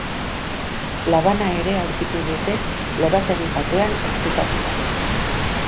Labana ere aurkitu dute, lorategi batean ezkutatuta.